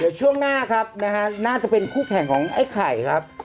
เดี๋ยวช่วงหน้าครับนะฮะน่าจะเป็นคู่แข่งของไอ้ไข่ครับ